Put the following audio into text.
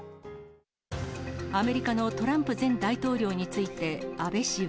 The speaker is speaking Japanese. アメリカのトランプ前大統領について、安倍氏は。